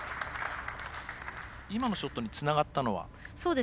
今のショットにつながったのは？